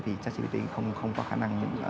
thì chắc cpt không có khả năng